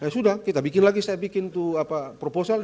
sudah kita bikin lagi saya bikin itu proposal